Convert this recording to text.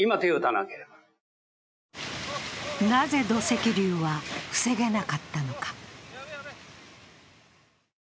なぜ土石流は防げなかったのか。